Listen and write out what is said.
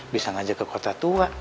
bisa ngajak ke kota tua